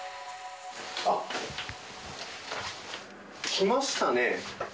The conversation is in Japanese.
あっ、来ましたね。